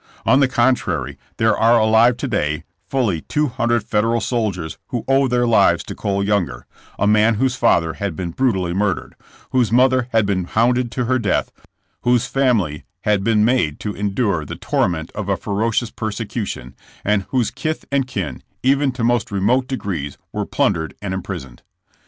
On the contrary there are alive to day tully two hundred Federal soldiers who owe their lives to Cole Younger, a man whose father had been brutally murdered, whose CLOSING DAYS OF TH^ BORDKR WARFARB. 57 mother had been hounded to her death, whose family had been made to endure the torment of a ferocious persecution, and whose kith and kin, even to most remote degrees were plundered and imprisoned.